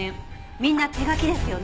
みんな手書きですよね？